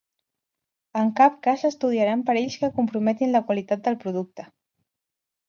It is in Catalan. En cap cas s'estudiaran perills que comprometin la qualitat del producte.